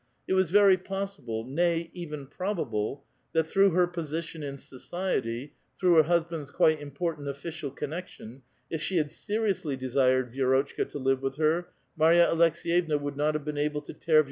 It was very iM)ssil)le, nay, even probable, that through her po sition iu society, through her husband's quite important offi cial connections, if she had seriouslv desired Vi6i*otchka to live with her, Marva Aleks6vevna would not have been able to tear Vi